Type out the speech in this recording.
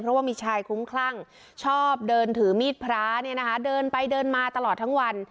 เพราะว่ามีชายคุ้มคลั่งชอบเดินถือมีดพระเนี่ยนะคะเดินไปเดินมาตลอดทั้งวัน